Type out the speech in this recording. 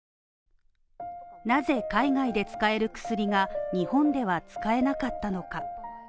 なぜ、海外で使える薬が日本では使えなかったのか。